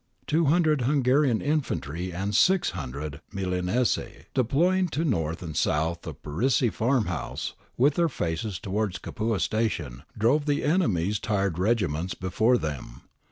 Two hundred Hungarian infantry and 600 Milanese, deploying to north and south of Parisi farm house, with their faces towards Capua station, drove the enemy's tired regiments before them.